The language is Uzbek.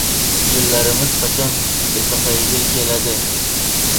Yo‘llarimiz qachon epaqaga keladi?